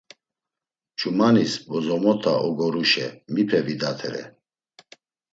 Ç̌umanis bozomota ogoruşe mipe vidatere?